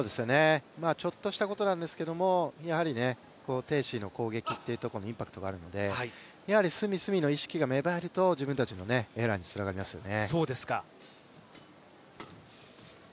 ちょっとしたことなんですけどもやはり鄭思緯の攻撃というところにインパクトがあるので隅、隅の意識が芽生えると自分たちの攻撃力につながりますよね。